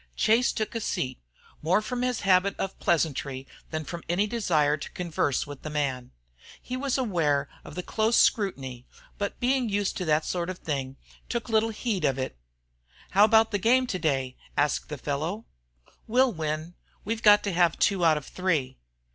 Chase took a seat, more from his habit of pleasantry than from any desire to converse with the man. He was aware of a close scrutiny, but being used to that sort of thing took little heed of it. "How about the game today?" asked the fellow. "We'll win. We've got to have two out of three."